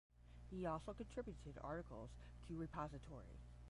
He also contributed articles to "Repository".